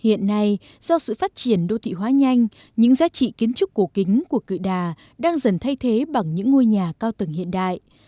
hiện nay do sự phát triển đô thị hóa nhanh những giá trị kiến trúc cổ kính của cự đà đang dần thay thế bằng những ngôi nhà cao tầng hiện đại